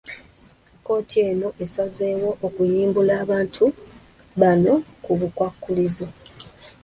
Kkooti eno esazeewo okuyimbula abantu bano ku bukwakkulizo.